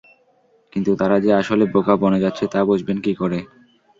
কিন্তু তারা যে আসলেই বোকা বনে যাচ্ছে, তা বুঝবেন কী করে?